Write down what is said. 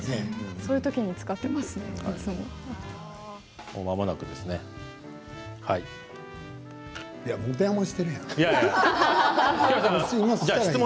そういうときに使ってますね、いつも。